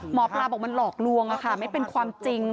หมอปลาบอกมันหลอกลวงไม่เป็นความจริง